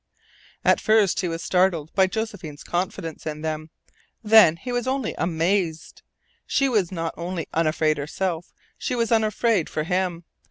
At first he was startled by Josephine's confidence in them. Then he was only amazed. She was not only unafraid herself; she was unafraid for him.